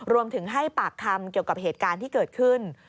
รวมถึงให้ปากคำเกี่ยวกับเหตุการณ์ที่เกิดขึ้น